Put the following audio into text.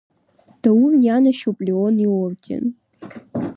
Даур ианашьоуп Леон иорден.